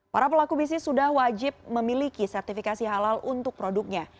para pelaku bisnis sudah wajib memiliki sertifikasi halal untuk produknya